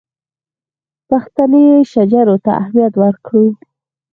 پښتني شجرو ته اهمیت ورکړو.